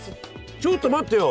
ちょっと待ってよ！